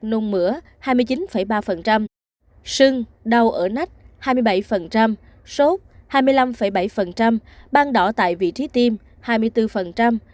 nôn mửa hai mươi chín ba sưng đau ở nách hai mươi bảy sốt hai mươi năm bảy bàn đỏ tại vị trí tiêm hai mươi bốn